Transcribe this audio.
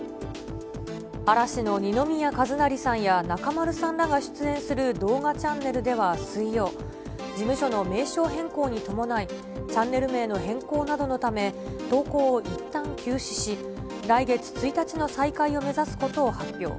嵐の二宮和也さんや中丸さんらが出演する動画チャンネルでは水曜、事務所の名称変更に伴い、チャンネル名の変更などのため、投稿をいったん休止し、来月１日の再開を目指すことを発表。